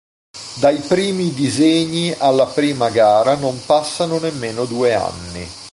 Dai primi disegni alla prima gara non passano nemmeno due anni.